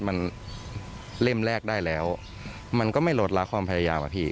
มันเล่มแรกได้แล้วมันก็ไม่ลดละความพยายามอะพี่